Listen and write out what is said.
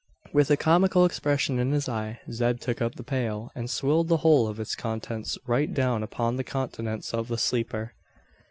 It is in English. With a comical expression in his eye, Zeb took up the pail; and swilled the whole of its contents right down upon the countenance of the sleeper.